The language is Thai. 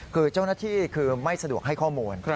คือเจ้าหน้าที่คือไม่สะดวกให้ข้อมูล